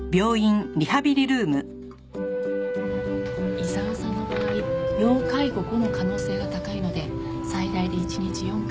伊沢さんの場合要介護５の可能性が高いので最大で一日４回